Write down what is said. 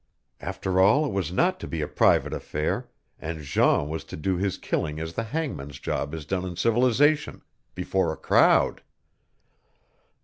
After all it was not to be a private affair, and Jean was to do his killing as the hangman's job is done in civilization before a crowd.